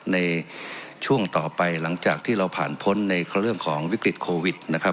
ในช่วงต่อไปหลังจากที่เราผ่านพ้นในเรื่องของวิกฤตโควิดนะครับ